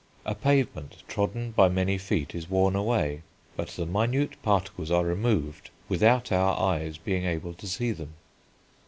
A pavement trodden by many feet is worn away; but the minute particles are removed without our eyes being able to see them.